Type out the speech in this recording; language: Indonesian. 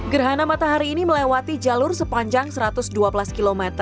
gerhana matahari ini melewati jalur sepanjang satu ratus dua belas km